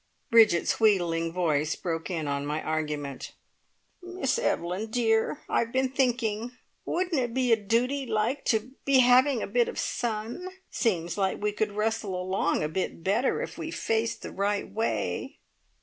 Bridget's wheedling voice broke in on my argument: "Miss Evelyn, dear, I've been thinking wouldn't it be a duty like, to be having a bit of sun? Seems like we could wrestle along a bit better if we faced the right way!"